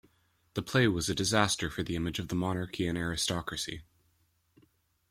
The play was a disaster for the image of the monarchy and aristocracy.